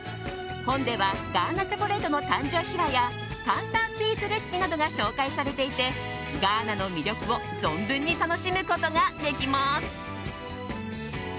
本ではガーナチョコレートの誕生秘話や簡単スイーツレシピなどが紹介されていてガーナの魅力を存分に楽しむことができます。